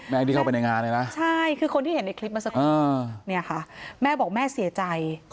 แม่ที่เข้าไปในงานเลยนะใช่คือคนที่เห็นในคลิปมาสักครู่แม่บอกแม่เสียใจ